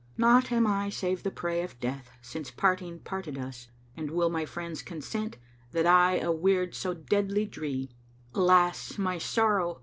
Naught am I save the prey of death since parting parted us; * And will my friends consent that I a weird so deadly dree? Alas my sorrow!